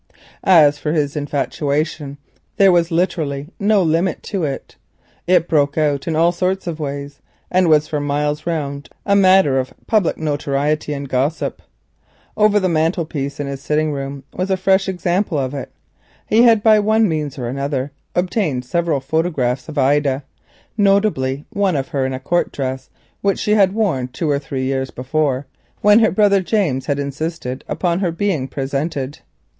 As for his infatuation there was literally no limit to it. It broke out in all sorts of ways, and for miles round was a matter of public notoriety and gossip. Over the mantelpiece in his sitting room was a fresh example of it. By one means and another he had obtained several photographs of Ida, notably one of her in a court dress which she had worn two or three years before, when her brother James had insisted upon her being presented.